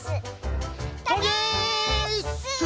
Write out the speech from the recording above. トゲーッス！